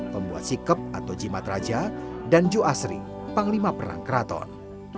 pembuat sikep atau jimat raja dan juasri panglima perang keraton